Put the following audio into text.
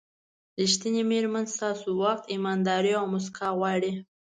ریښتینې مېرمنې ستاسو وخت، ایمانداري او موسکا غواړي.